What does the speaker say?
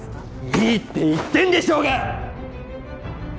いいって言ってんでしょうが！